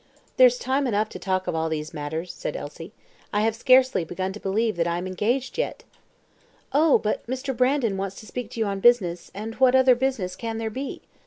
"There's time enough to talk of all these matters," said Elsie. "I have scarcely begun to believe that I am engaged yet." "Oh, but Mr. Brandon wants to speak to you on business, and what other business can there be?